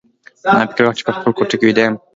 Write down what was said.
ما فکر کاوه چې په خپله کوټه کې ویده یم